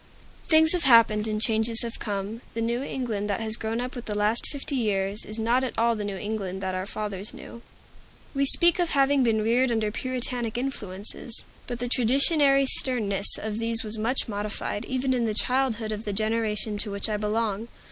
Things have happened, and changes have come. The New England that has grown up with the last fifty years is not at all the New England that our fathers knew. We speak of having been reared under Puritanic influences, but the traditionary sternness of these was much modified, even in the childhood of the generation to which I belong.